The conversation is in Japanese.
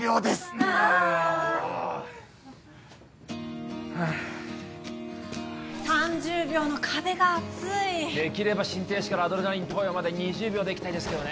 ああーっはあ３０秒の壁が厚いできれば心停止からアドレナリン投与まで２０秒でいきたいですけどね